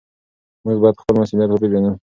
موږ بايد خپل مسؤليت وپېژنو.